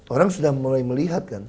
orang sudah mulai melihat kan